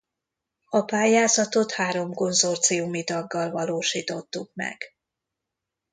A pályázatot három konzorciumi taggal valósítottuk meg.